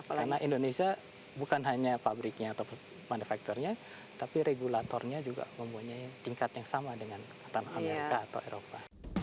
karena indonesia bukan hanya pabriknya atau manufakturnya tapi regulatornya juga mempunyai tingkat yang sama dengan amerika atau eropa